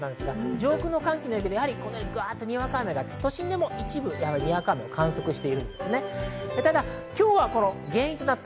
上空の寒気の影響でにわか雨があって都心でも一部にわか雨を観測しました。